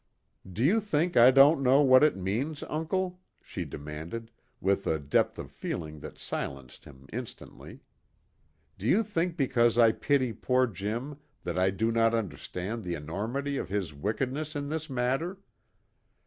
"Do you think I don't know what it means, uncle?" she demanded, with a depth of feeling that silenced him instantly. "Do you think because I pity poor Jim that I do not understand the enormity of his wickedness in this matter?